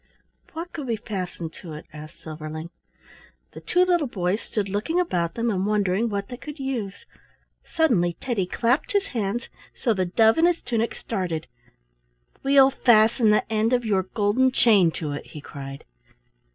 "What could we fasten to it?" asked Silverling. The two little boys stood looking about them and wondering what they could use. Suddenly Teddy clapped his hands so the dove in his tunic started. "We'll fasten the end of your golden chain to it," he cried.